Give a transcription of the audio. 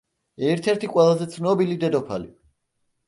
ერთ-ერთი ყველაზე ცნობილი დედოფალი.